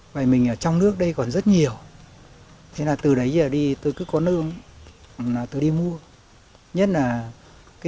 vậy mình ở trong nước đây còn rất nhiều thế là từ đấy giờ đi tôi cứ có nương tôi đi mua nhất là cái